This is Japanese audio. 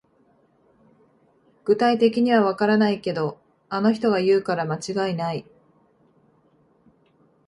具体的にはわからないけど、あの人が言うから間違いない